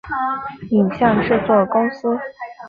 影像制作公司